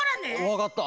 わかった。